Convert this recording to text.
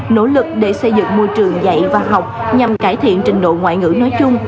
nỗ lực để xây dựng môi trường dạy và học nhằm cải thiện trình độ ngoại ngữ nói chung